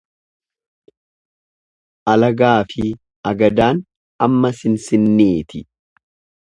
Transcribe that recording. Alagaafi agadaan amma sinsinniiti.